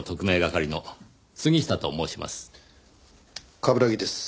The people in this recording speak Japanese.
冠城です。